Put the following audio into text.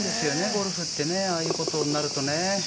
ゴルフってああいうことになるとね。